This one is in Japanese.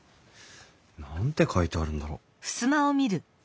何て書いてあるんだろう。